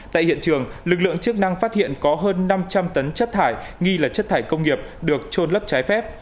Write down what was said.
tại hiện trường lực lượng chức năng phát hiện có hơn năm trăm linh tấn chất thải nghi là chất thải công nghiệp được trôn lấp trái phép